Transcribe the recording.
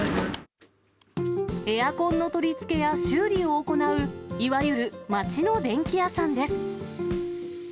エアコンの取り付けや修理を行う、いわゆる町の電器屋さんです。